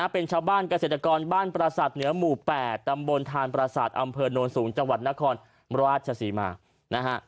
เป็นชาวบ้านเกษตรกรบ้านประสาทเหนือหมู่๘ตำบลทานประสาทอำเภอโนนสูงจังหวัดนครราชศรีมานะฮะ